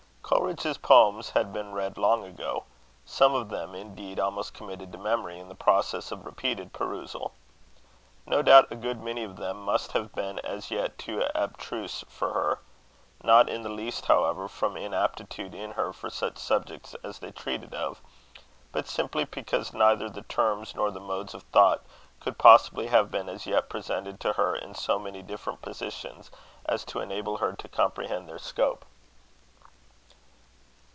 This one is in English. Coleridge's poems had been read long ago; some of them, indeed, almost committed to memory in the process of repeated perusal. No doubt a good many of them must have been as yet too abstruse for her; not in the least, however, from inaptitude in her for such subjects as they treated of, but simply because neither the terms nor the modes of thought could possibly have been as yet presented to her in so many different positions as to enable her to comprehend their scope.